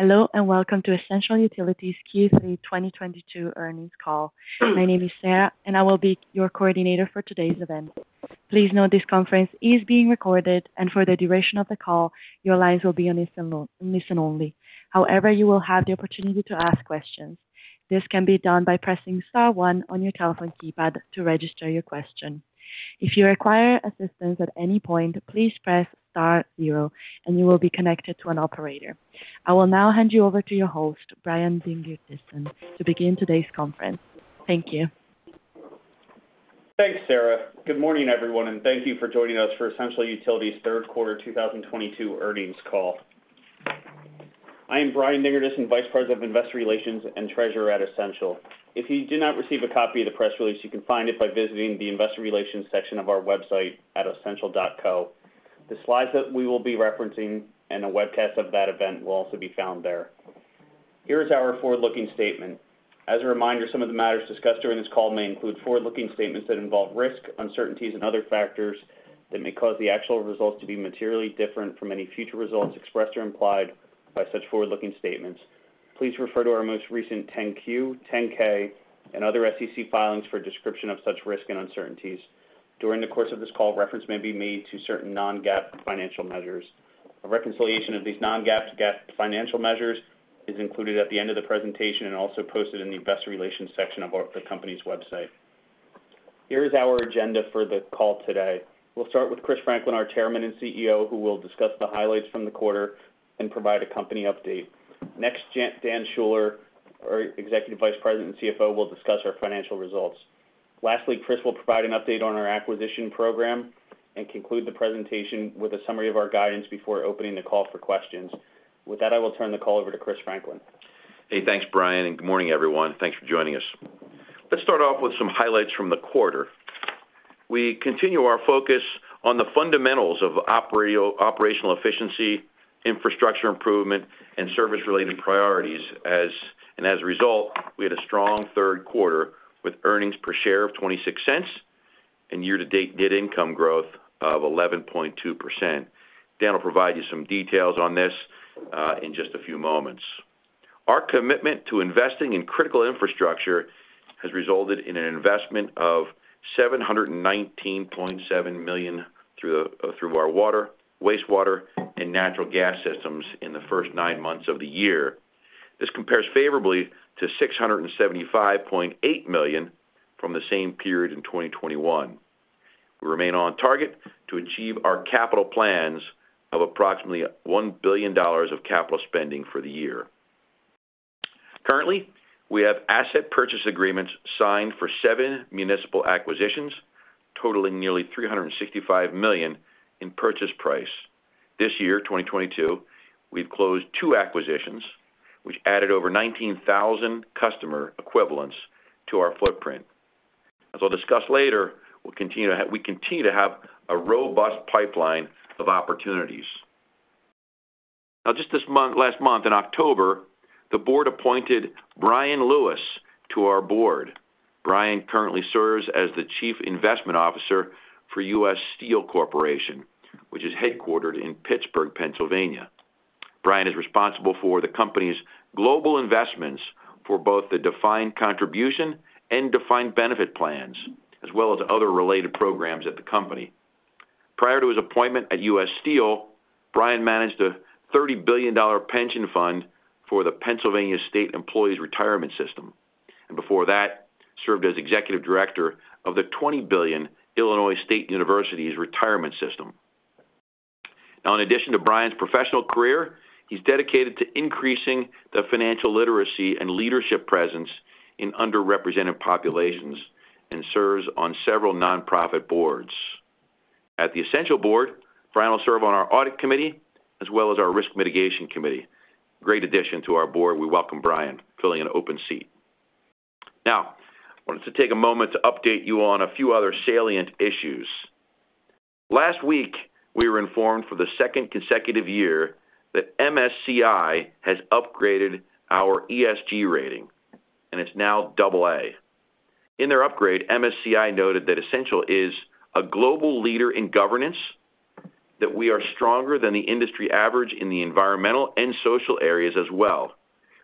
Hello, and welcome to Essential Utilities Q3 2022 Earnings Call. My name is Sarah, and I will be your coordinator for today's event. Please note this conference is being recorded, and for the duration of the call, your lines will be on listen only. However, you will have the opportunity to ask questions. This can be done by pressing star one on your telephone keypad to register your question. If you require assistance at any point, please press star zero and you will be connected to an operator. I will now hand you over to your host, Brian Dingerdissen, to begin today's conference. Thank you. Thanks, Sarah. Good morning, everyone, and thank you for joining us for Essential Utilities third quarter 2022 earnings call. I am Brian Dingerdissen, Vice President of Investor Relations and Treasurer at Essential. If you did not receive a copy of the press release, you can find it by visiting the investor relations section of our website at essential.co. The slides that we will be referencing and a webcast of that event will also be found there. Here is our forward-looking statement. As a reminder, some of the matters discussed during this call may include forward-looking statements that involve risk, uncertainties, and other factors that may cause the actual results to be materially different from any future results expressed or implied by such forward-looking statements. Please refer to our most recent Form 10-Q, Form 10-K, and other SEC filings for a description of such risk and uncertainties. During the course of this call, reference may be made to certain non-GAAP financial measures. A reconciliation of these non-GAAP to GAAP financial measures is included at the end of the presentation and also posted in the investor relations section of the company's website. Here is our agenda for the call today. We'll start with Chris Franklin, our Chairman and CEO, who will discuss the highlights from the quarter and provide a company update. Next, Dan Schuller, our Executive Vice President and CFO, will discuss our financial results. Lastly, Chris will provide an update on our acquisition program and conclude the presentation with a summary of our guidance before opening the call for questions. With that, I will turn the call over to Chris Franklin. Hey, thanks, Brian, and good morning, everyone. Thanks for joining us. Let's start off with some highlights from the quarter. We continue our focus on the fundamentals of operational efficiency, infrastructure improvement, and service-related priorities, and as a result, we had a strong third quarter with earnings per share of $0.26 and year-to-date net income growth of 11.2%. Dan will provide you some details on this in just a few moments. Our commitment to investing in critical infrastructure has resulted in an investment of $719.7 million through our water, wastewater, and natural gas systems in the first nine months of the year. This compares favorably to $675.8 million from the same period in 2021. We remain on target to achieve our capital plans of approximately $1 billion of capital spending for the year. Currently, we have asset purchase agreements signed for seven municipal acquisitions, totaling nearly $365 million in purchase price. This year, 2022, we've closed two acquisitions, which added over 19,000 customer equivalents to our footprint. As I'll discuss later, we continue to have a robust pipeline of opportunities. Now, last month in October, the board appointed W. Bryan Lewis to our board. W. Bryan Lewis currently serves as the Chief Investment Officer for U.S. Steel Corporation, which is headquartered in Pittsburgh, Pennsylvania. W. Bryan Lewis is responsible for the company's global investments for both the defined contribution and defined benefit plans, as well as other related programs at the company. Prior to his appointment at U.S. Steel, Bryan managed a $30 billion pension fund for the Pennsylvania State Employees' Retirement System. Before that, served as Executive Director of the $20 billion State Universities Retirement System of Illinois. Now, in addition to Bryan's professional career, he's dedicated to increasing the financial literacy and leadership presence in underrepresented populations and serves on several nonprofit boards. At the Essential Board, Bryan will serve on our audit committee, as well as our risk mitigation committee. Great addition to our board. We welcome Bryan, filling an open seat. Now, I wanted to take a moment to update you on a few other salient issues. Last week, we were informed for the second consecutive year that MSCI has upgraded our ESG rating, and it's now AA. In their upgrade, MSCI noted that Essential is a global leader in governance, that we are stronger than the industry average in the environmental and social areas as well.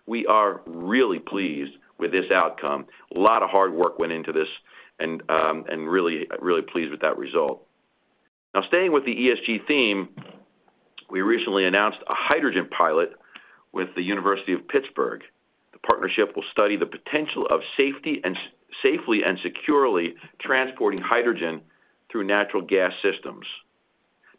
We are really pleased with this outcome. A lot of hard work went into this and really pleased with that result. Now staying with the ESG theme, we recently announced a hydrogen pilot with the University of Pittsburgh. The partnership will study the potential of safely and securely transporting hydrogen through natural gas systems.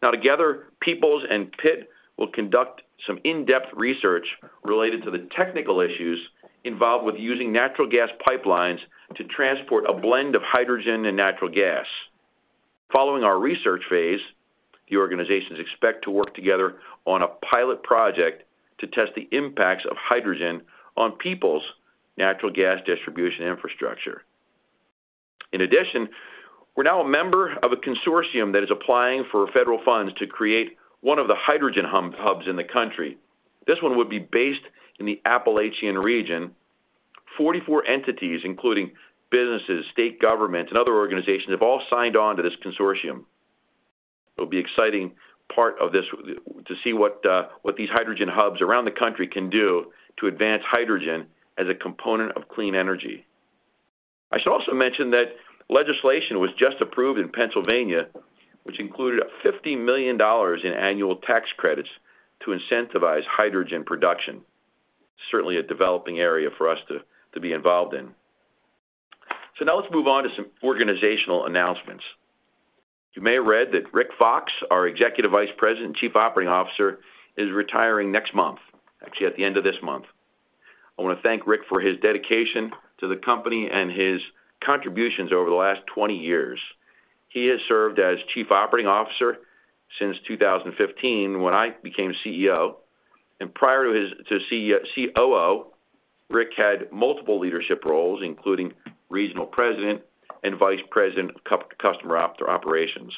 Now together, Peoples and Pitt will conduct some in-depth research related to the technical issues involved with using natural gas pipelines to transport a blend of hydrogen and natural gas. Following our research phase, the organizations expect to work together on a pilot project to test the impacts of hydrogen on Peoples' natural gas distribution infrastructure. In addition, we're now a member of a consortium that is applying for federal funds to create one of the hydrogen hubs in the country. This one would be based in the Appalachian region. 44 entities, including businesses, state governments, and other organizations, have all signed on to this consortium. It'll be exciting part of this to see what these hydrogen hubs around the country can do to advance hydrogen as a component of clean energy. I should also mention that legislation was just approved in Pennsylvania, which included $50 million in annual tax credits to incentivize hydrogen production. Certainly, a developing area for us to be involved in. Now let's move on to some organizational announcements. You may have read that Rick Fox, our Executive Vice President and Chief Operating Officer, is retiring next month, actually, at the end of this month. I wanna thank Rick for his dedication to the company and his contributions over the last 20 years. He has served as Chief Operating Officer since 2015, when I became CEO. Prior to COO, Rick had multiple leadership roles, including Regional President and Vice President of Customer Operations.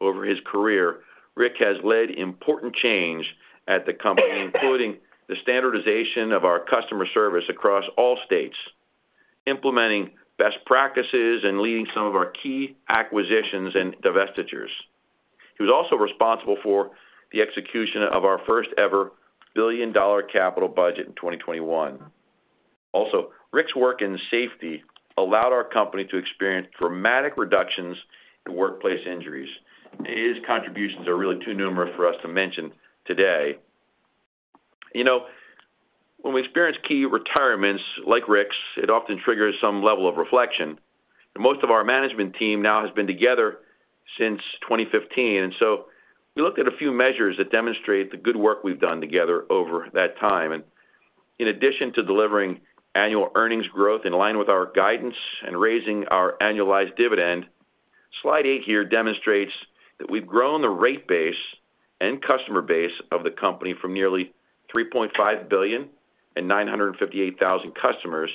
Over his career, Rick has led important change at the company, including the standardization of our customer service across all states, implementing best practices, and leading some of our key acquisitions and divestitures. He was also responsible for the execution of our first-ever billion-dollar capital budget in 2021. Also, Rick's work in safety allowed our company to experience dramatic reductions in workplace injuries. His contributions are really too numerous for us to mention today. You know, when we experience key retirements like Rick's, it often triggers some level of reflection. Most of our management team now has been together since 2015, and so we looked at a few measures that demonstrate the good work we've done together over that time. In addition to delivering annual earnings growth in line with our guidance and raising our annualized dividend, slide eight here demonstrates that we've grown the rate base and customer base of the company from nearly $3.5 billion and 958,000 customers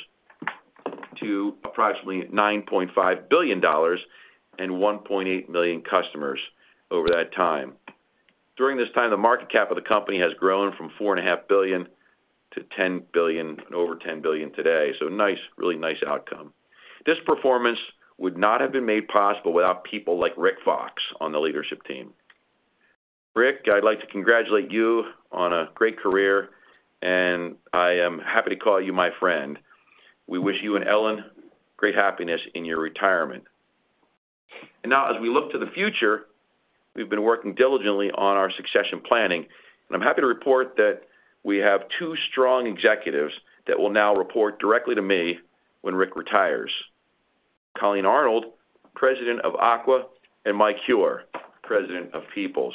to approximately $9.5 billion and 1.8 million customers over that time. During this time, the market cap of the company has grown from $4.5 billion to $10 billion, over $10 billion today. Nice, really nice outcome. This performance would not have been made possible without people like Rick Fox on the leadership team. Rick, I'd like to congratulate you on a great career, and I am happy to call you my friend. We wish you and Ellen great happiness in your retirement. Now, as we look to the future, we've been working diligently on our succession planning, and I'm happy to report that we have two strong executives that will now report directly to me when Rick retires. Colleen Arnold, President of Aqua, and Mike Heuer, President of Peoples.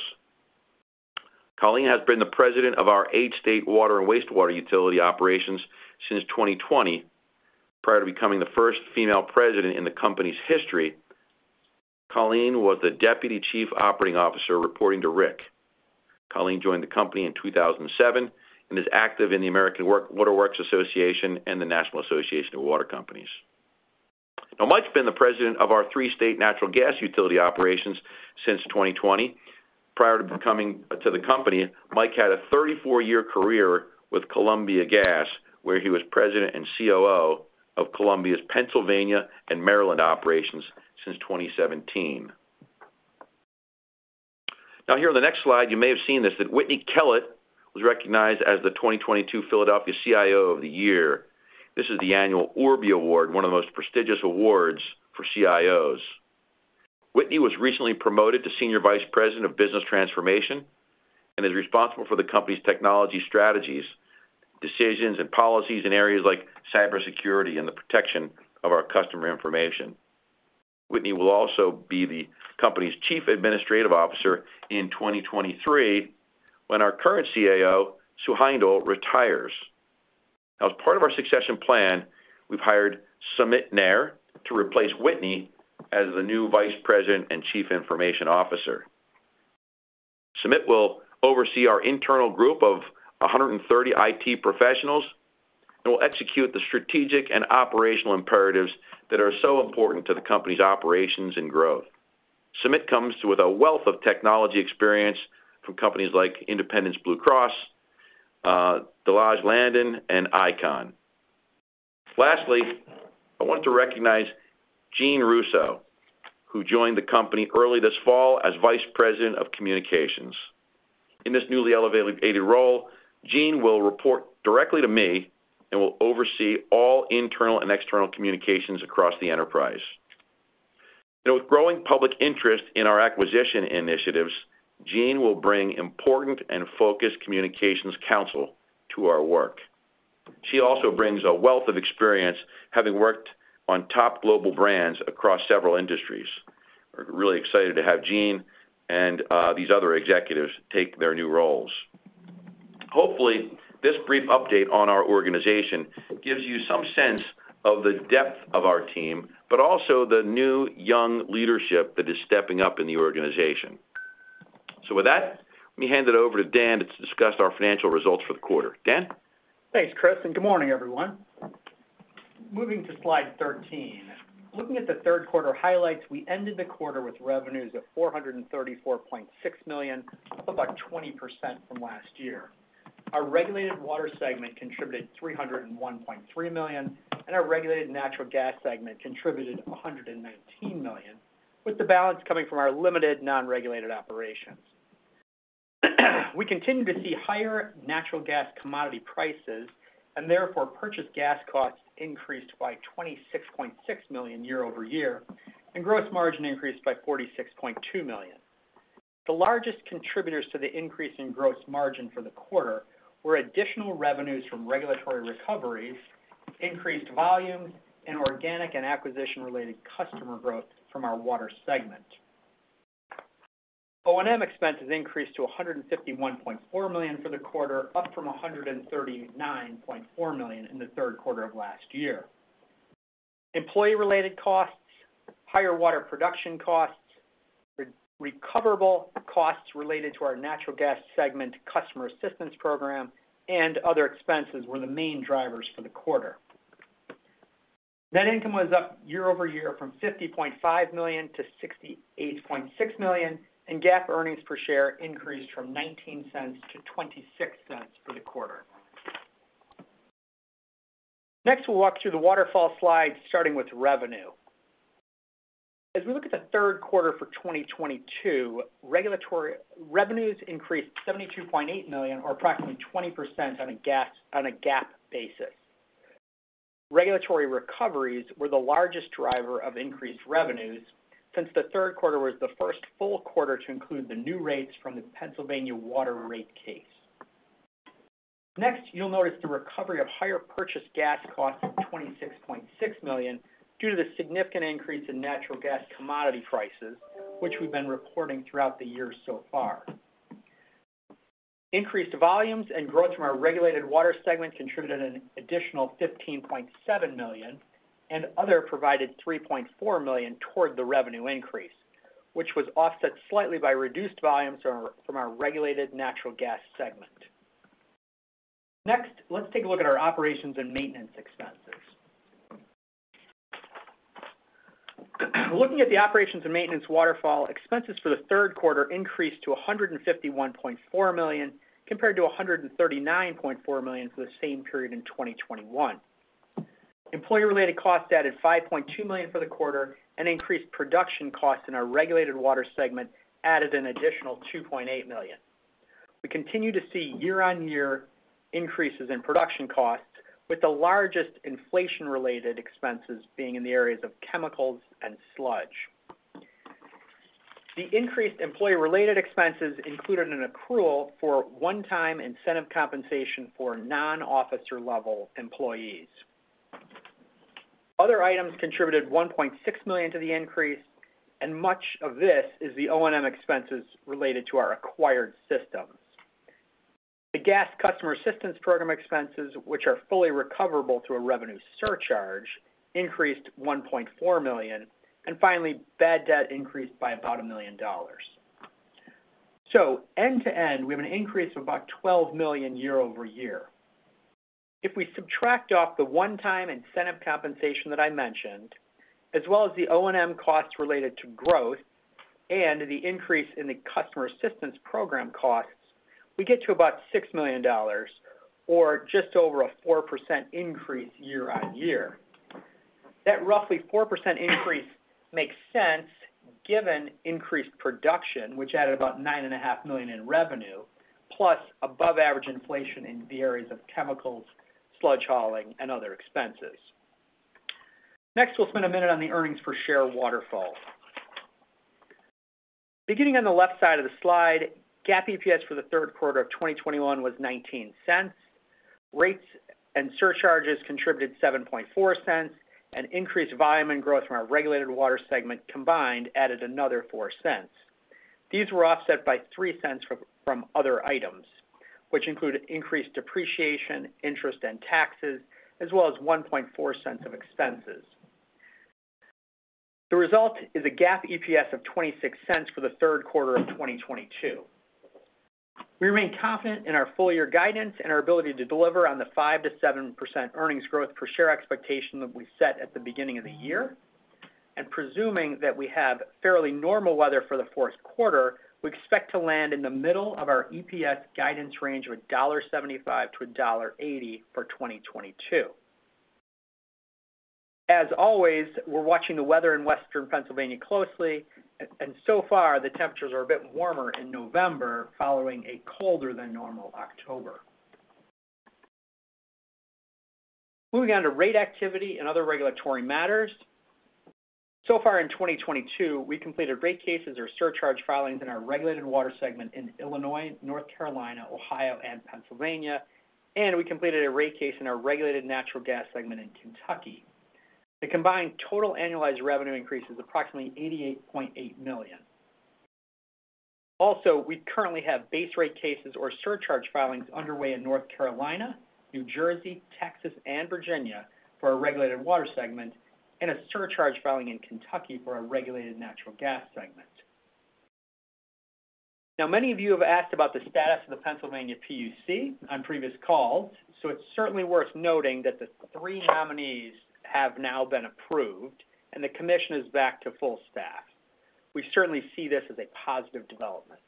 Colleen has been the president of our eight-state water and wastewater utility operations since 2020. Prior to becoming the first female president in the company's history, Colleen was the Deputy Chief Operating Officer reporting to Rick. Colleen joined the company in 2007 and is active in the American Water Works Association and the National Association of Water Companies. Now, Mike's been the President of our three-state natural gas utility operations since 2020. Prior to coming to the company, Mike had a 34-year career with Columbia Gas, where he was President and COO of Columbia's Pennsylvania and Maryland operations since 2017. Now, here on the next slide, you may have seen this, that Whitney Kellett was recognized as the 2022 Philadelphia CIO of the Year. This is the annual ORBIE Award, one of the most prestigious awards for CIOs. Whitney was recently promoted to Senior Vice President of Business Transformation and is responsible for the company's technology strategies, decisions, and policies in areas like cybersecurity and the protection of our customer information. Whitney will also be the company's Chief Administrative Officer in 2023 when our current CAO, Sue Heindel, retires. Now, as part of our succession plan, we've hired Sumit Nair to replace Whitney as the new Vice President and Chief Information Officer. Sumit will oversee our internal group of 130 IT professionals and will execute the strategic and operational imperatives that are so important to the company's operations and growth. Sumit comes with a wealth of technology experience from companies like Independence Blue Cross, De Lage Landen, and ICON. Lastly, I want to recognize Jeanne Russo, who joined the company early this fall as Vice President of Communications. In this newly elevated role, Jeanne will report directly to me and will oversee all internal and external communications across the enterprise. You know, with growing public interest in our acquisition initiatives, Jeanne will bring important and focused communications counsel to our work. She also brings a wealth of experience, having worked on top global brands across several industries. We're really excited to have Jeanne and these other executives take their new roles. Hopefully, this brief update on our organization gives you some sense of the depth of our team, but also the new young leadership that is stepping up in the organization. With that, let me hand it over to Dan to discuss our financial results for the quarter. Dan? Thanks, Chris, and good morning, everyone. Moving to slide 13. Looking at the third quarter highlights, we ended the quarter with revenues of $434.6 million, up about 20% from last year. Our regulated water segment contributed $301.3 million, and our regulated natural gas segment contributed $119 million, with the balance coming from our limited non-regulated operations. We continue to see higher natural gas commodity prices and therefore purchased gas costs increased by $26.6 million year over year, and gross margin increased by $46.2 million. The largest contributors to the increase in gross margin for the quarter were additional revenues from regulatory recoveries, increased volumes, and organic and acquisition-related customer growth from our water segment. O&M expenses increased to $151.4 million for the quarter, up from $139.4 million in the third quarter of last year. Employee-related costs, higher water production costs, recoverable costs related to our natural gas segment, customer assistance program, and other expenses were the main drivers for the quarter. Net income was up year-over-year from $50.5 million-$68.6 million, and GAAP earnings per share increased from $0.19 to $0.26 for the quarter. Next, we'll walk through the waterfall slide, starting with revenue. As we look at the third quarter for 2022, regulatory revenues increased $72.8 million, or approximately 20% on a GAAP basis. Regulatory recoveries were the largest driver of increased revenues since the third quarter was the first full quarter to include the new rates from the Pennsylvania water rate case. Next, you'll notice the recovery of higher purchased gas costs of $26.6 million due to the significant increase in natural gas commodity prices, which we've been reporting throughout the year so far. Increased volumes and growth from our regulated water segment contributed an additional $15.7 million, and other provided $3.4 million toward the revenue increase, which was offset slightly by reduced volumes from our regulated natural gas segment. Next, let's take a look at our operations and maintenance expenses. Looking at the operations and maintenance waterfall, expenses for the third quarter increased to $151.4 million, compared to $139.4 million for the same period in 2021. Employee-related costs added $5.2 million for the quarter, and increased production costs in our regulated water segment added an additional $2.8 million. We continue to see year-on-year increases in production costs, with the largest inflation-related expenses being in the areas of chemicals and sludge. The increased employee-related expenses included an accrual for one-time incentive compensation for non-officer level employees. Other items contributed $1.6 million to the increase, and much of this is the O&M expenses related to our acquired systems. The gas customer assistance program expenses, which are fully recoverable through a revenue surcharge, increased $1.4 million. Finally, bad debt increased by about $500 million. End to end, we have an increase of about $12 million year-over-year. If we subtract off the one-time incentive compensation that I mentioned, as well as the O&M costs related to growth and the increase in the customer assistance program costs, we get to about $6 million or just over a 4% increase year-over-year. That roughly 4% increase makes sense given increased production, which added about $9.5 million in revenue, plus above average inflation in the areas of chemicals, sludge hauling, and other expenses. Next, we'll spend a minute on the earnings per share waterfall. Beginning on the left side of the slide, GAAP EPS for the third quarter of 2021 was $0.19. rates and surcharges contributed $0.074. Increased volume and growth from our regulated water segment combined added another $0.04. These were offset by $0.03 from other items, which included increased depreciation, interest, and taxes, as well as $0.014 of expenses. The result is a GAAP EPS of $0.26 for the third quarter of 2022. We remain confident in our full year guidance and our ability to deliver on the 5%-7% earnings growth per share expectation that we set at the beginning of the year. Presuming that we have fairly normal weather for the fourth quarter, we expect to land in the middle of our EPS guidance range of $1.75-$1.80 for 2022. As always, we're watching the weather in western Pennsylvania closely. So far, the temperatures are a bit warmer in November following a colder than normal October. Moving on to rate activity and other regulatory matters. So far in 2022, we completed rate cases or surcharge filings in our regulated water segment in Illinois, North Carolina, Ohio, and Pennsylvania, and we completed a rate case in our regulated natural gas segment in Kentucky. The combined total annualized revenue increase is approximately $88.8 million. Also, we currently have base rate cases or surcharge filings underway in North Carolina, New Jersey, Texas, and Virginia for our regulated water segment, and a surcharge filing in Kentucky for our regulated natural gas segment. Now, many of you have asked about the status of the Pennsylvania PUC on previous calls, so it's certainly worth noting that the three nominees have now been approved and the commission is back to full staff. We certainly see this as a positive development.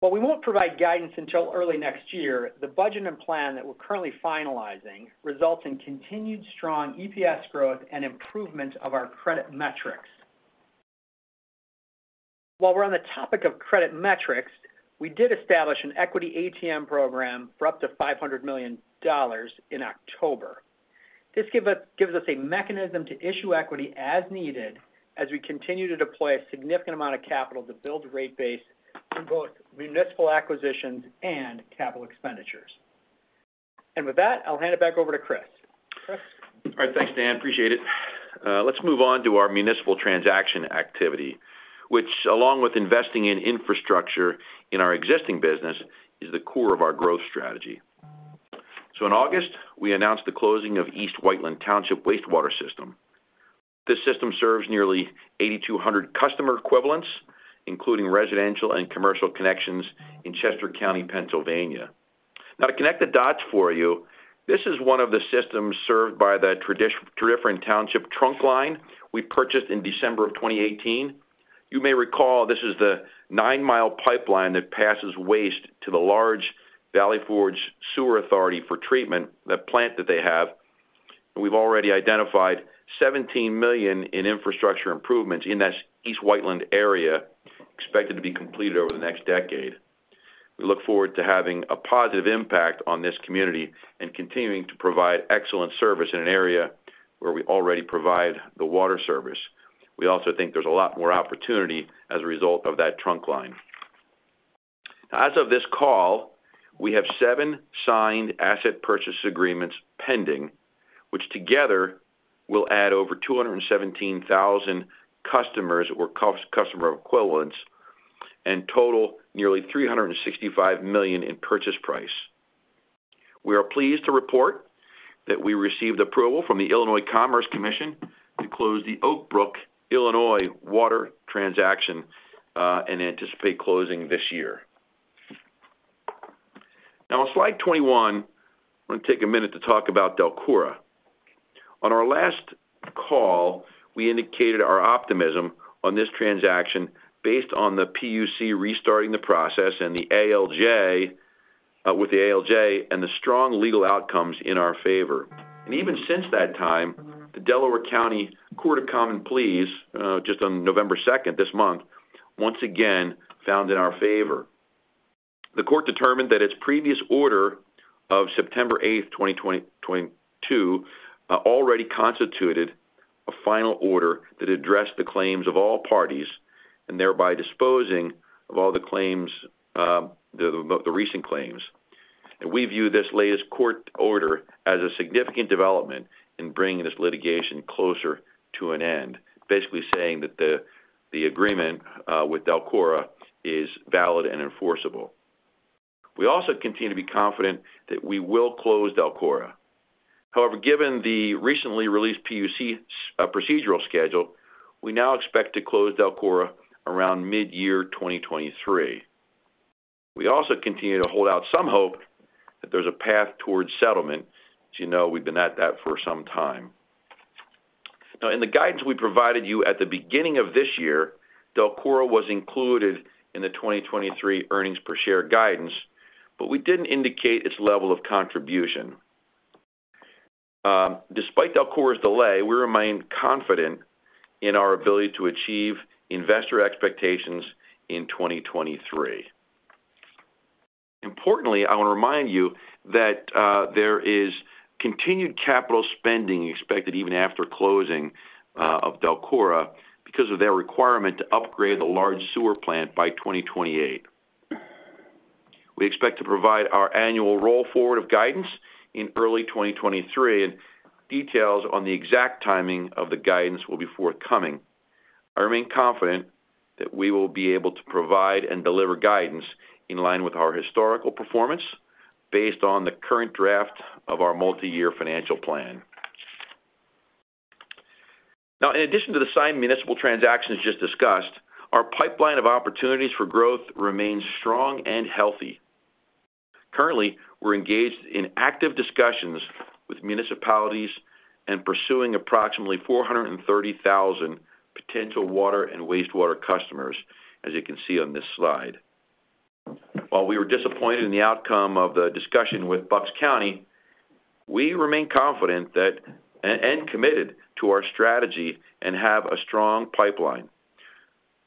While we won't provide guidance until early next year, the budget and plan that we're currently finalizing results in continued strong EPS growth and improvement of our credit metrics. While we're on the topic of credit metrics, we did establish an equity ATM program for up to $500 million in October. This gives us a mechanism to issue equity as needed as we continue to deploy a significant amount of capital to build rate base in both municipal acquisitions and capital expenditures. With that, I'll hand it back over to Chris. Chris? All right. Thanks, Dan. Appreciate it. Let's move on to our municipal transaction activity, which along with investing in infrastructure in our existing business, is the core of our growth strategy. In August, we announced the closing of East Whiteland Township wastewater system. This system serves nearly 8,200 customer equivalents, including residential and commercial connections in Chester County, Pennsylvania. Now, to connect the dots for you, this is one of the systems served by the Tredyffrin Township trunk line we purchased in December of 2018. You may recall this is the 9-mi pipeline that passes waste to the large Valley Forge Sewer Authority for treatment, that plant that they have. We've already identified $17 million in infrastructure improvements in that East Whiteland area expected to be completed over the next decade. We look forward to having a positive impact on this community and continuing to provide excellent service in an area where we already provide the water service. We also think there's a lot more opportunity as a result of that trunk line. As of this call, we have seven signed asset purchase agreements pending, which together will add over 217,000 customers or customer equivalents and total nearly $365 million in purchase price. We are pleased to report that we received approval from the Illinois Commerce Commission to close the Oak Brook, Illinois water transaction, and anticipate closing this year. Now on slide 21, I wanna take a minute to talk about DELCORA. On our last call, we indicated our optimism on this transaction based on the PUC restarting the process with the ALJ and the strong legal outcomes in our favor. Even since that time, the Delaware County Court of Common Pleas just on November second this month, once again found in our favor. The court determined that its previous order of September 8, 2022, already constituted a final order that addressed the claims of all parties and thereby disposing of all the claims, the recent claims. We view this latest court order as a significant development in bringing this litigation closer to an end, basically saying that the agreement with DELCORA is valid and enforceable. We also continue to be confident that we will close DELCORA. However, given the recently released PUC procedural schedule, we now expect to close DELCORA around mid-year 2023. We also continue to hold out some hope that there's a path towards settlement. As you know, we've been at that for some time. In the guidance we provided you at the beginning of this year, DELCORA was included in the 2023 earnings per share guidance, but we didn't indicate its level of contribution. Despite DELCORA's delay, we remain confident in our ability to achieve investor expectations in 2023. Importantly, I wanna remind you that there is continued capital spending expected even after closing of DELCORA because of their requirement to upgrade the large sewer plant by 2028. We expect to provide our annual roll forward of guidance in early 2023, and details on the exact timing of the guidance will be forthcoming. I remain confident that we will be able to provide and deliver guidance in line with our historical performance based on the current draft of our multi-year financial plan. Now in addition to the signed municipal transactions just discussed, our pipeline of opportunities for growth remains strong and healthy. Currently, we're engaged in active discussions with municipalities and pursuing approximately 430,000 potential water and wastewater customers, as you can see on this slide. While we were disappointed in the outcome of the discussion with Bucks County, we remain confident that and committed to our strategy and have a strong pipeline.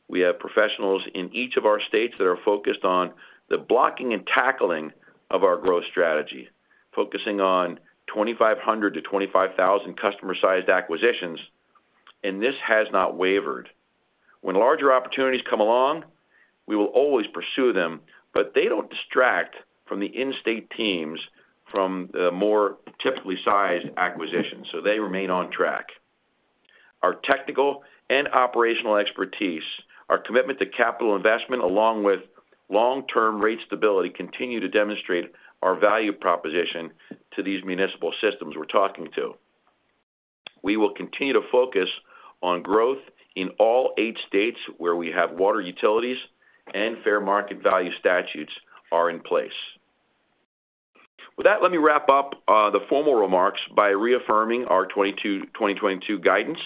We have professionals in each of our states that are focused on the blocking and tackling of our growth strategy, focusing on 2,500-25,000 customer-sized acquisitions, and this has not wavered. When larger opportunities come along, we will always pursue them, but they don't distract from the in-state teams from the more typically sized acquisitions, so they remain on track. Our technical and operational expertise, our commitment to capital investment along with long-term rate stability continue to demonstrate our value proposition to these municipal systems we're talking to. We will continue to focus on growth in all eight states where we have water utilities and fair market value statutes are in place. With that, let me wrap up the formal remarks by reaffirming our 2022 guidance.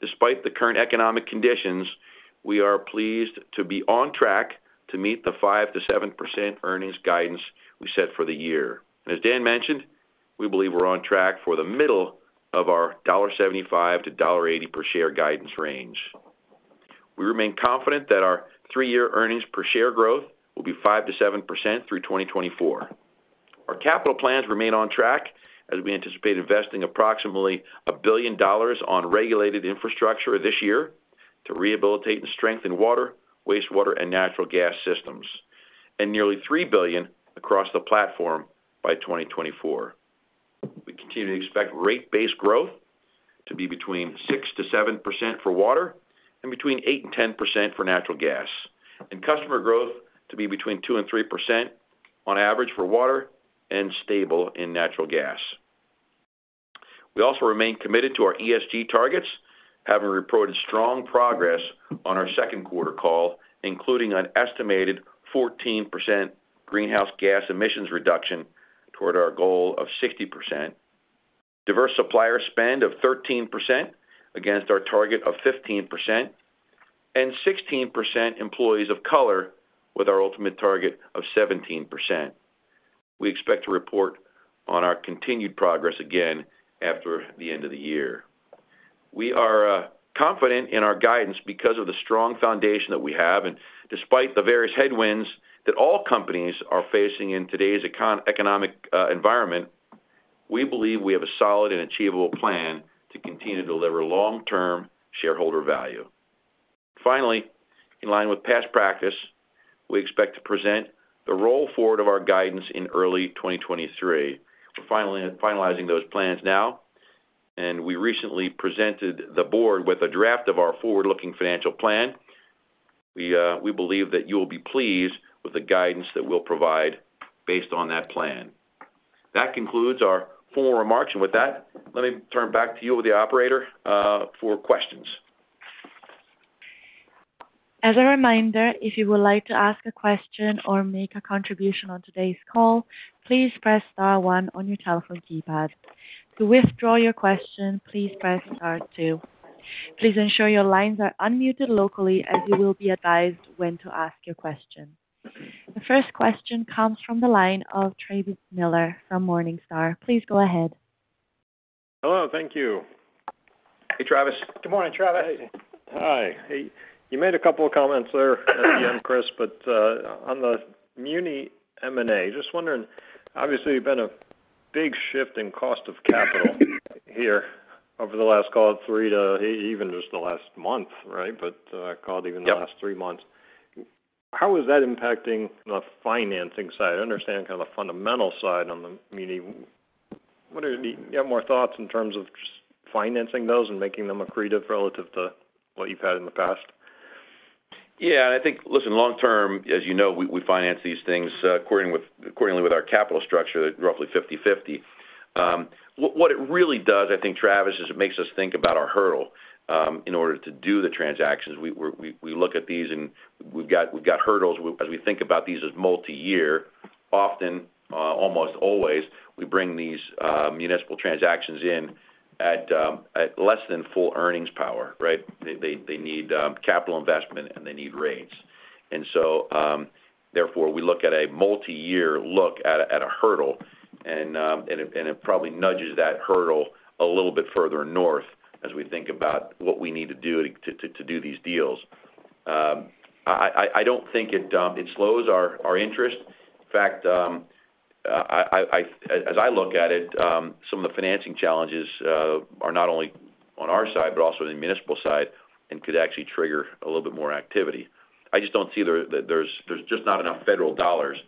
Despite the current economic conditions, we are pleased to be on track to meet the 5%-7% earnings guidance we set for the year. As Dan mentioned, we believe we're on track for the middle of our $75-$80 per share guidance range. We remain confident that our three-year earnings per share growth will be 5%-7% through 2024. Our capital plans remain on track as we anticipate investing approximately $1 billion on regulated infrastructure this year to rehabilitate and strengthen water, wastewater, and natural gas systems, and nearly $3 billion across the platform by 2024. We continue to expect rate-based growth to be between 6%-7% for water and between 8%-10% for natural gas, and customer growth to be between 2%-3% on average for water and stable in natural gas. We also remain committed to our ESG targets, having reported strong progress on our second quarter call, including an estimated 14% greenhouse gas emissions reduction toward our goal of 60%, diverse supplier spend of 13% against our target of 15%, and 16% employees of color with our ultimate target of 17%. We expect to report on our continued progress again after the end of the year. We are confident in our guidance because of the strong foundation that we have. Despite the various headwinds that all companies are facing in today's economic environment, we believe we have a solid and achievable plan to continue to deliver long-term shareholder value. Finally, in line with past practice, we expect to present the roll forward of our guidance in early 2023. We're finalizing those plans now, and we recently presented the board with a draft of our forward-looking financial plan. We believe that you will be pleased with the guidance that we'll provide based on that plan. That concludes our formal remarks. With that, let me turn back to you with the operator, for questions. As a reminder, if you would like to ask a question or make a contribution on today's call, please press star one on your telephone keypad. To withdraw your question, please press star two. Please ensure your lines are unmuted locally as you will be advised when to ask your question. The first question comes from the line of Travis Miller from Morningstar. Please go ahead. Hello. Thank you. Hey, Travis. Good morning, Travis. Hi. Hey, you made a couple of comments there at the end, Chris, but on the muni M&A, just wondering, obviously, there's been a big shift in cost of capital here over the last, call it, even just the last month, right? But call it even. Yep. The last three months. How is that impacting the financing side? I understand kind of the fundamental side on the muni. Do you have more thoughts in terms of just financing those and making them accretive relative to what you've had in the past? Yeah, I think, listen, long term, as you know, we finance these things accordingly with our capital structure at roughly 50/50. What it really does, I think, Travis, is it makes us think about our hurdle in order to do the transactions. We look at these, and we've got hurdles. As we think about these as multi-year, often, almost always, we bring these municipal transactions in at less than full earnings power, right? They need capital investment, and they need rates. Therefore, we look at a multi-year look at a hurdle, and it probably nudges that hurdle a little bit further north as we think about what we need to do to do these deals. I don't think it slows our interest. In fact, as I look at it, some of the financing challenges are not only on our side, but also the municipal side and could actually trigger a little bit more activity. I just don't see that there's just not enough federal dollars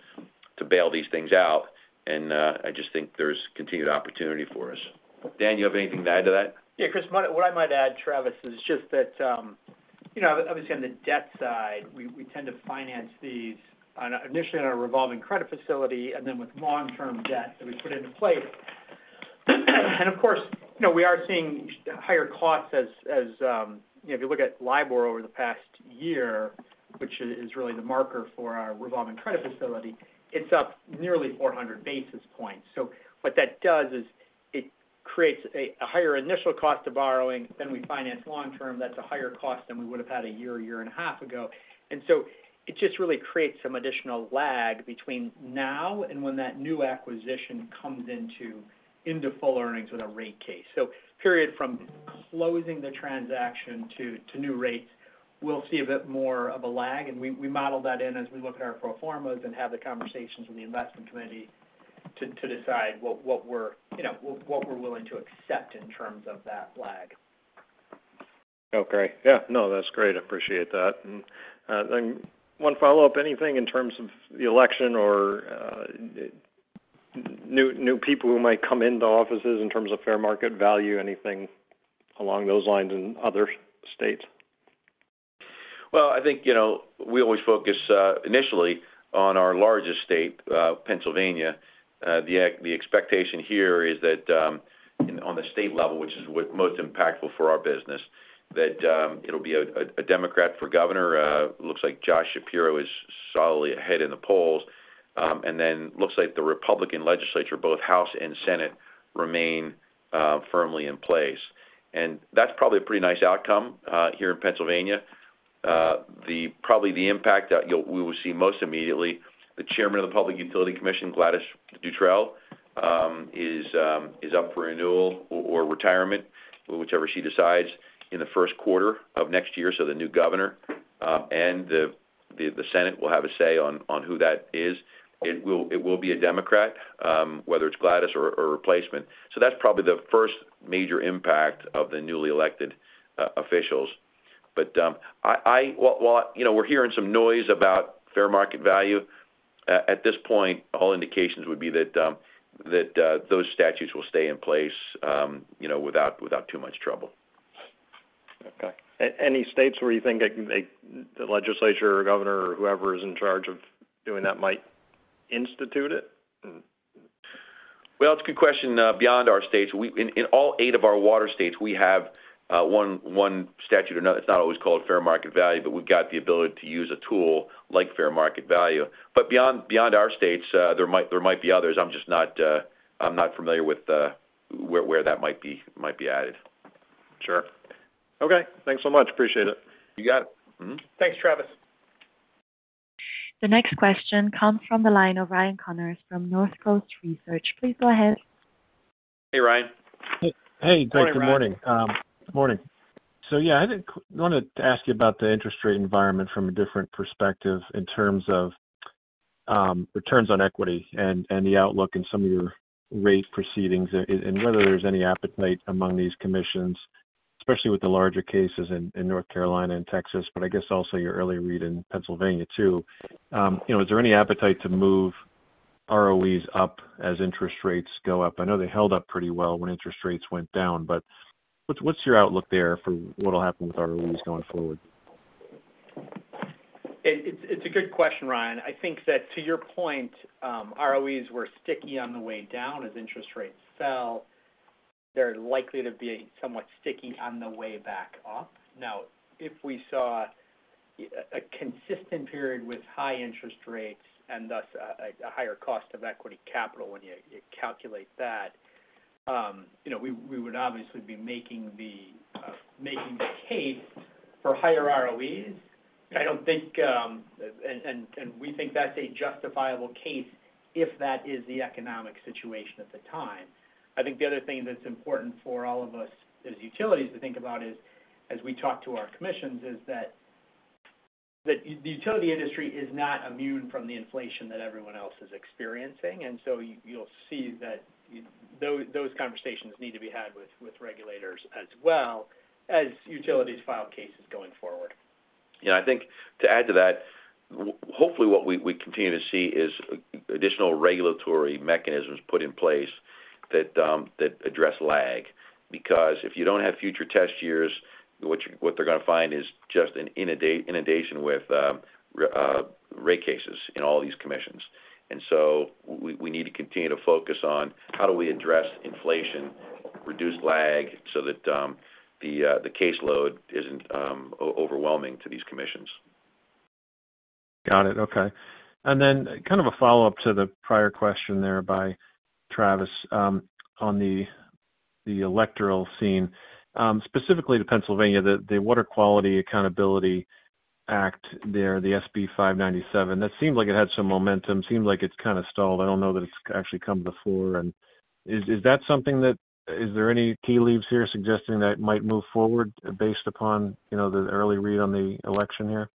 to bail these things out, and I just think there's continued opportunity for us. Dan, you have anything to add to that. Yeah, Chris, what I might add, Travis, is just that, you know, obviously on the debt side, we tend to finance these initially on a revolving credit facility and then with long-term debt that we put into place. Of course, you know, we are seeing higher costs as, you know, if you look at LIBOR over the past year, which is really the marker for our revolving credit facility, it's up nearly 400 basis points. What that does is it creates a higher initial cost of borrowing. We finance long-term, that's a higher cost than we would have had a year and a half ago. It just really creates some additional lag between now and when that new acquisition comes into full earnings with a rate case. Period from closing the transaction to new rates, we'll see a bit more of a lag, and we model that in as we look at our pro formas and have the conversations with the investment committee to decide what we're, you know, willing to accept in terms of that lag. Okay. Yeah, no, that's great. I appreciate that. Then one follow-up, anything in terms of the election or new people who might come into offices in terms of Fair Market Value, anything along those lines in other states? Well, I think, you know, we always focus initially on our largest state, Pennsylvania. The expectation here is that, on the state level, which is what most impactful for our business, that, it'll be a Democrat for governor. Looks like Josh Shapiro is solidly ahead in the polls, and then looks like the Republican legislature, both House and Senate, remain firmly in place. That's probably a pretty nice outcome here in Pennsylvania. Probably the impact that we will see most immediately, the Chairman of the Public Utility Commission, Gladys Dutrieuille, is up for renewal or retirement, whichever she decides in the first quarter of next year, so the new governor and the Senate will have a say on who that is. It will be a Democrat, whether it's Gladys or a replacement. That's probably the first major impact of the newly elected officials. While, you know, we're hearing some noise about Fair Market Value, at this point, all indications would be that those statutes will stay in place, you know, without too much trouble. Okay. Any states where you think the legislature or governor or whoever is in charge of doing that might institute it? Well, it's a good question beyond our states. We in all eight of our water states have one statute or another. It's not always called fair market value, but we've got the ability to use a tool like fair market value. Beyond our states, there might be others. I'm just not familiar with where that might be added. Sure. Okay. Thanks so much. Appreciate it. You got it. Mm-hmm. Thanks, Travis. The next question comes from the line of Ryan Connors from Northcoast Research. Please go ahead. Hey, Ryan. Hey. Morning, Ryan. Good morning. Good morning. Yeah, I wanted to ask you about the interest rate environment from a different perspective in terms of returns on equity and the outlook in some of your rate proceedings and whether there's any appetite among these commissions, especially with the larger cases in North Carolina and Texas, but I guess also your earlier read in Pennsylvania too. You know, is there any appetite to move ROEs up as interest rates go up? I know they held up pretty well when interest rates went down, but what's your outlook there for what'll happen with ROEs going forward? It's a good question, Ryan. I think that to your point, ROEs were sticky on the way down as interest rates fell. They're likely to be somewhat sticky on the way back up. Now, if we saw a consistent period with high interest rates and thus a higher cost of equity capital when you calculate that, you know, we would obviously be making the case for higher ROEs. I don't think and we think that's a justifiable case if that is the economic situation at the time. I think the other thing that's important for all of us as utilities to think about is, as we talk to our commissions, is that the utility industry is not immune from the inflation that everyone else is experiencing. You'll see that those conversations need to be had with regulators as well as utilities file cases going forward. Yeah, I think to add to that, hopefully what we continue to see is additional regulatory mechanisms put in place that address lag. Because if you don't have future test years, what they're gonna find is just an inundation with rate cases in all these commissions. We need to continue to focus on how we address inflation, reduce lag so that the caseload isn't overwhelming to these commissions. Got it. Okay. Then kind of a follow-up to the prior question there by Travis on the electoral scene specifically to Pennsylvania, the Water Quality Accountability Act there, the SB 597, that seemed like it had some momentum, seemed like it's kind of stalled. I don't know that it's actually come before. Is that something that is there any tea leaves here suggesting that it might move forward based upon you know the early read on the election here?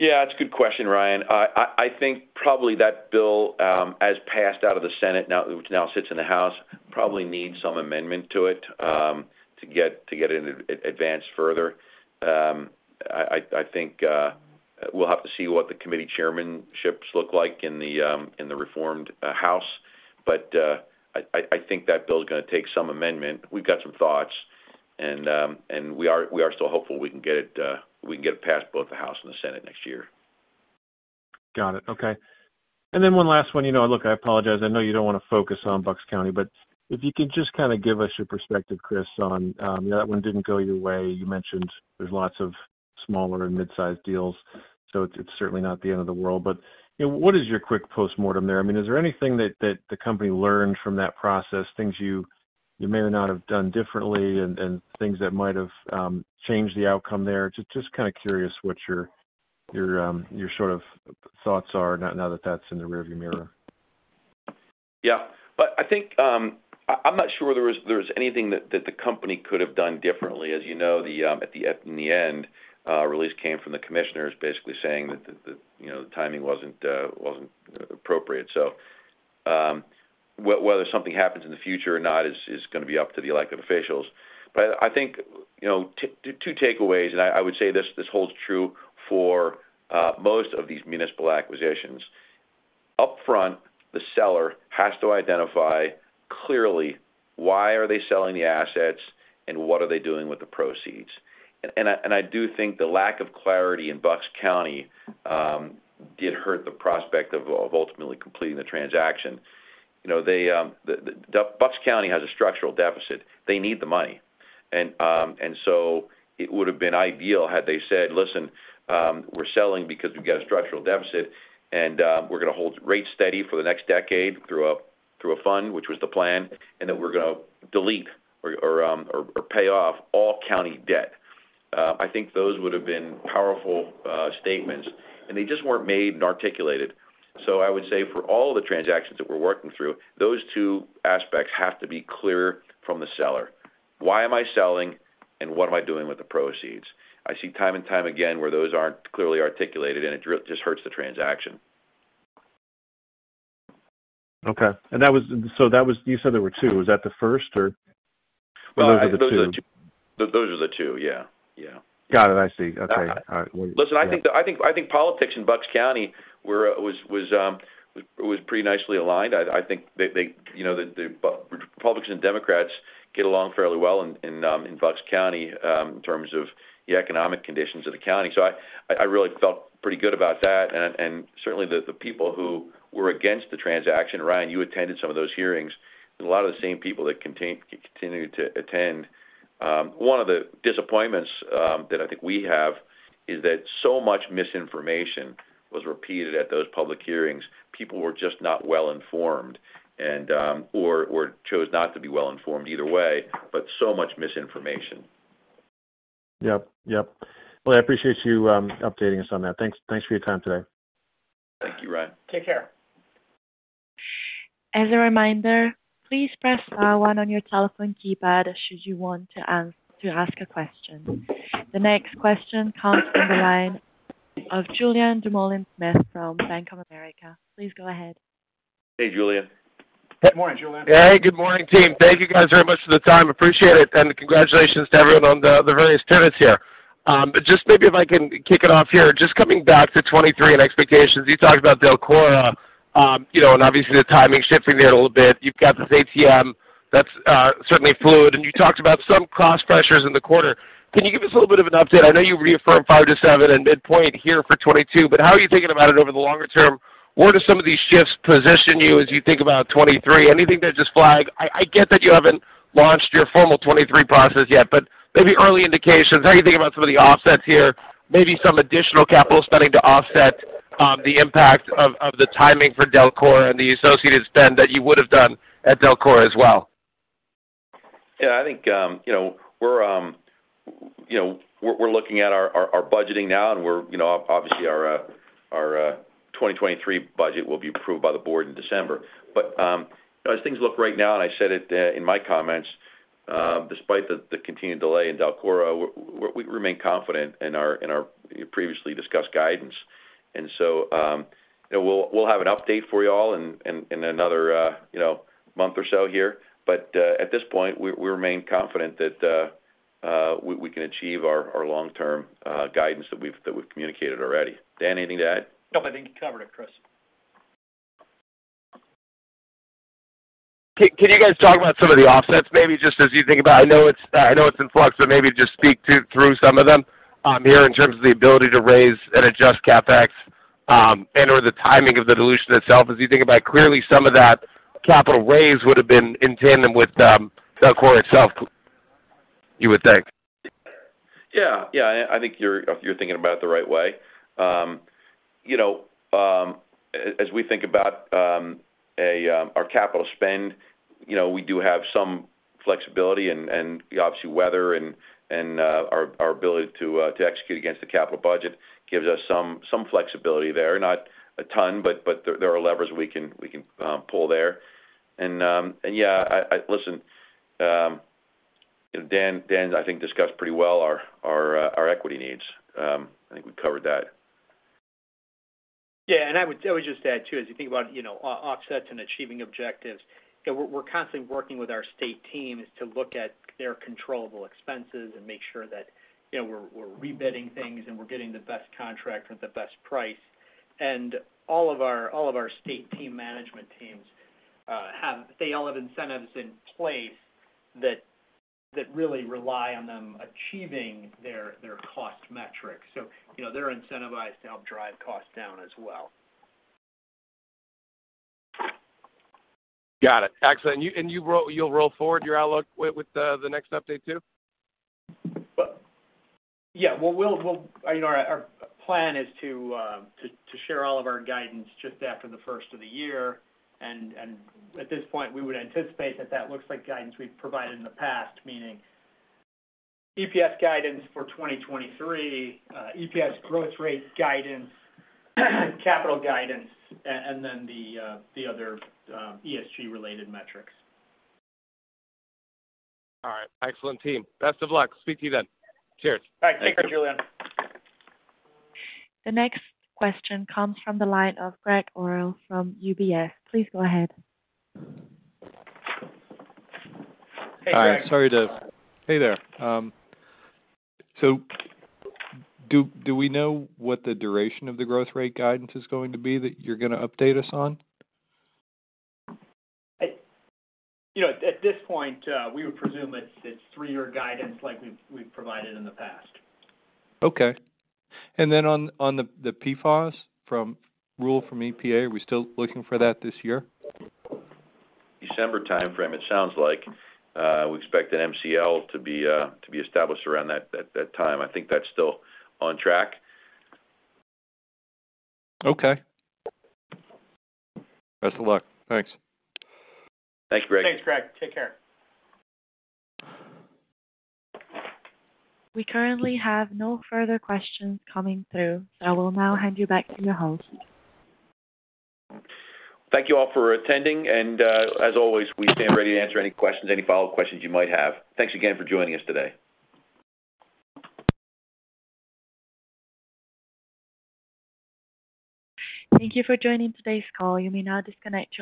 Yeah, it's a good question, Ryan. I think probably that bill as passed out of the Senate now, which now sits in the House, probably needs some amendment to it to get it in advance further. I think we'll have to see what the committee chairmanships look like in the reformed House. I think that bill is gonna take some amendment. We've got some thoughts and we are still hopeful we can get it past both the House and the Senate next year. Got it. Okay. One last one. You know, look, I apologize. I know you don't wanna focus on Bucks County, but if you could just kind of give us your perspective, Chris, on that one didn't go your way. You mentioned there's lots of smaller and mid-sized deals, so it's certainly not the end of the world, but you know, what is your quick postmortem there? I mean, is there anything that the company learned from that process, things you may or not have done differently and things that might have changed the outcome there? Just kind of curious what your sort of thoughts are now that that's in the rear view mirror. Yeah. I think, I'm not sure there was anything that the company could have done differently. As you know, in the end, release came from the commissioners basically saying that you know, the timing wasn't appropriate. whether something happens in the future or not is gonna be up to the elected officials. I think, you know, two takeaways, and I would say this holds true for most of these municipal acquisitions. Upfront, the seller has to identify clearly why are they selling the assets and what are they doing with the proceeds. and I do think the lack of clarity in Bucks County did hurt the prospect of ultimately completing the transaction. You know, they, the Bucks County has a structural deficit. They need the money. It would have been ideal had they said, "Listen, we're selling because we've got a structural deficit, and we're gonna hold rates steady for the next decade through a fund," which was the plan, "and then we're gonna delete or pay off all county debt." I think those would have been powerful statements, and they just weren't made and articulated. I would say for all the transactions that we're working through, those two aspects have to be clear from the seller. Why am I selling, and what am I doing with the proceeds? I see time and time again where those aren't clearly articulated, and it just hurts the transaction. Okay. You said there were two. Was that the first or were those the two? Those are the two. Yeah. Yeah. Got it. I see. Okay. All right. Listen, I think politics in Bucks County was pretty nicely aligned. I think they, you know, the Republicans and Democrats get along fairly well in Bucks County in terms of the economic conditions of the county. I really felt pretty good about that. Certainly, the people who were against the transaction, Ryan, you attended some of those hearings, and a lot of the same people that continued to attend. One of the disappointments that I think we have is that so much misinformation was repeated at those public hearings. People were just not well-informed and or chose not to be well-informed either way, but so much misinformation. Yep. Well, I appreciate you updating us on that. Thanks for your time today. Thank you, Ryan. Take care. As a reminder, please press star one on your telephone keypad should you want to ask a question. The next question comes from the line of Julien Dumoulin-Smith from Bank of America. Please go ahead. Hey, Julien. Good morning, Julien. Hey, good morning, team. Thank you guys very much for the time. Appreciate it. Congratulations to everyone on the various tenets here. But just maybe if I can kick it off here, just coming back to 2023 and expectations, you talked about DELCORA, you know, and obviously the timing shifting there a little bit. You've got this ATM that's certainly fluid, and you talked about some cost pressures in the quarter. Can you give us a little bit of an update? I know you reaffirmed five-seven and midpoint here for 2022, but how are you thinking about it over the longer term? Where do some of these shifts position you as you think about 2023? Anything to just flag? I get that you haven't launched your formal 2023 process yet, but maybe early indications, how are you thinking about some of the offsets here, maybe some additional capital spending to offset the impact of the timing for DELCORA and the associated spend that you would have done at DELCORA as well? Yeah, I think, you know, we're looking at our budgeting now, and we're, you know, obviously our 2023 budget will be approved by the board in December. As things look right now, and I said it in my comments, despite the continued delay in DELCORA, we remain confident in our previously discussed guidance. You know, we'll have an update for you all in another month or so here. At this point, we remain confident that we can achieve our long-term guidance that we've communicated already. Dan, anything to add? No, I think you covered it, Chris. Can you guys talk about some of the offsets, maybe just as you think about it? I know it's in flux, but maybe just speak through some of them here in terms of the ability to raise and adjust CapEx, and/or the timing of the dilution itself. As you think about it, clearly some of that capital raise would have been in tandem with DELCORA itself, you would think. Yeah. Yeah. I think you're thinking about it the right way. You know, as we think about our capital spend, you know, we do have some flexibility and obviously weather and our ability to execute against the capital budget gives us some flexibility there. Not a ton, but there are levers we can pull there. Yeah, listen, Dan, I think discussed pretty well our equity needs. I think we covered that. Yeah, I would just add too, as you think about, you know, offsets and achieving objectives, you know, we're constantly working with our state teams to look at their controllable expenses and make sure that, you know, we're rebidding things and we're getting the best contract or the best price. All of our state team management teams have incentives in place that really rely on them achieving their cost metrics. You know, they're incentivized to help drive costs down as well. Got it. Excellent. You'll roll forward your outlook with the next update too? Well, yeah. You know, our plan is to share all of our guidance just after the first of the year. At this point, we would anticipate that that looks like guidance we've provided in the past, meaning EPS guidance for 2023, EPS growth rate guidance, capital guidance, and then the other ESG related metrics. All right. Excellent, team. Best of luck. Speak to you then. Cheers. All right. Take care, Julien. The next question comes from the line of Gregg Orrill from UBS. Please go ahead. Hey, Greg. Hey there. Do we know what the duration of the growth rate guidance is going to be that you're gonna update us on? You know, at this point, we would presume it's three-year guidance like we've provided in the past. On the PFAS rule from EPA, are we still looking for that this year? December timeframe, it sounds like. We expect an MCL to be established around that time. I think that's still on track. Okay. Best of luck. Thanks. Thanks, Gregg. Thanks, Gregg. Take care. We currently have no further questions coming through. I will now hand you back to your host. Thank you all for attending, and, as always, we stand ready to answer any questions, any follow-up questions you might have. Thanks again for joining us today. Thank you for joining today's call. You may now disconnect your.